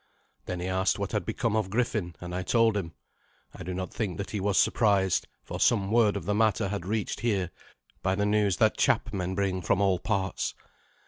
Then he asked what had become of Griffin, and I told him. I do not think that he was surprised, for some word of the matter had reached here by the news that chapmen bring from all parts.